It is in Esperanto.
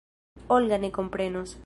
Olga ne komprenos.